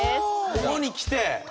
ここにきて。